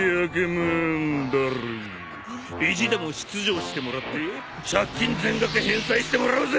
意地でも出場してもらって借金全額返済してもらうぜ！